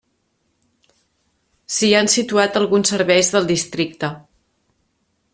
S'hi han situat alguns serveis del districte.